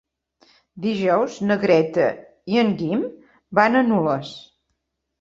Dijous na Greta i en Guim van a Nules.